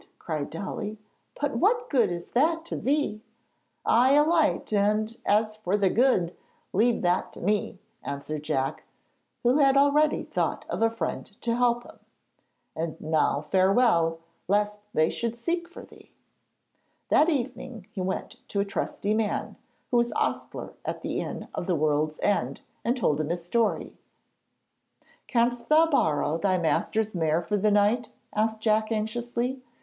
cried Dolly; 'but what good is that to thee?' 'Ay, a light; and as for the "good," leave that to me,' answered Jack, who had already thought of a friend to help him. 'And now farewell, lest they should seek for thee.' That evening he went to a trusty man, who was ostler at the inn of the World's End, and told him his story. 'Canst thou borrow thy master's mare for the night?' asked Jack anxiously.